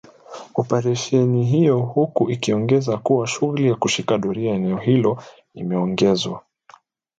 oparesheni hiyo huku ikiongeza kuwa shughuli ya kushika doria eneo hilo imeongezwa